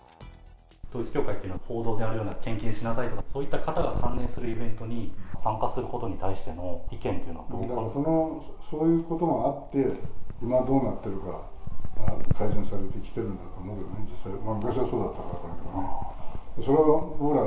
統一教会と、報道にあるような献金しなさいとかって、そういった方が関連するイベントに参加することに対しての意見とそういうことがあって、今どうなってるか、改善されてきてるんだと思うんです、昔はそうだったから。